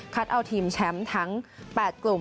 เอาทีมแชมป์ทั้ง๘กลุ่ม